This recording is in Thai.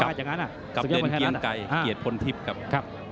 กับเงินเกียงไก่เกียรติพลทิพย์ครับ